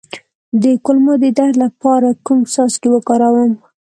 د کولمو د درد لپاره کوم څاڅکي وکاروم؟